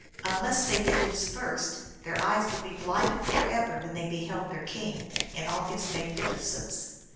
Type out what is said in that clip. Unless they did this first, their eyes would be blinded forever when they beheld their king in all his magnif icence.